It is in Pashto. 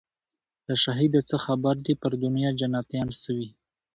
له شهیده څه خبر دي پر دنیا جنتیان سوي